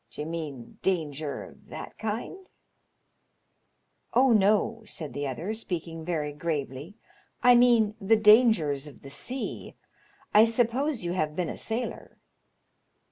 D'ye mean danger of that kind ?"" Oh no !" said the other, speaking very gravely, *' I mean the dangers of the sea. I suppose you have been a sailor